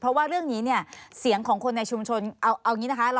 เพราะว่าเรื่องนี้เนี่ยเสียงของคนในชุมชนเอาอย่างนี้นะคะ